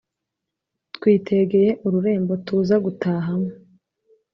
twitegeye ururembo tuza gutahamo.